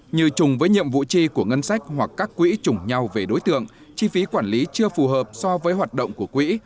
như trùng với nhiệm vụ chi của ngân sách hoặc các quỹ trùng nhau về đối tượng chi phí quản lý chưa phù hợp so với hoạt động của quỹ